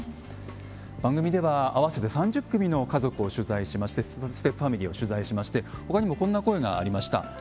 番組では合わせて３０組の家族をステップファミリーを取材しましてほかにもこんな声がありました。